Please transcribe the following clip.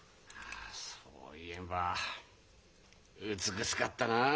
あそういえば美しかったなあ！